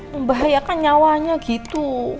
membahayakan nyawanya gitu